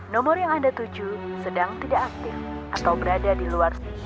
nomor yang anda tuju sedang tidak aktif atau berada di luar